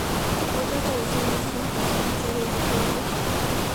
Otras tradiciones dicen que son seres de fuego.